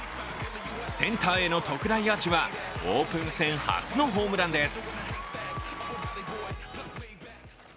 センターへの特大アーチはオープン戦初のホームランです。